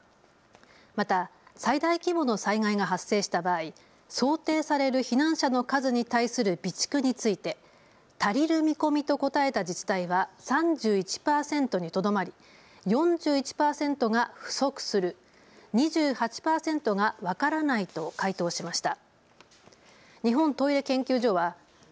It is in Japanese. また最大規模の災害が発生した場合、想定される避難者の数に対する備蓄について足りる見込みと答えた自治体は３１％にとどまり４１％が不足する、２８％が分からないと回答しました。